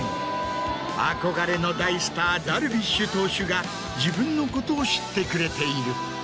憧れの大スターダルビッシュ投手が自分のことを知ってくれている。